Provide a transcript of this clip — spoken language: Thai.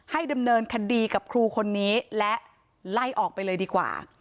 ดำเนินคดีกับครูคนนี้และไล่ออกไปเลยดีกว่า